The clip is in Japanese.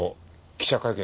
記者会見？